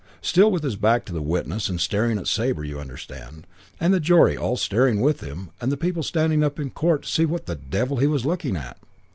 Still with his back to the witness and staring at Sabre, you understand, and the jury all staring with him and people standing up in the court to see what the devil he was looking at.